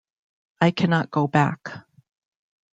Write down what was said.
I cannot go back.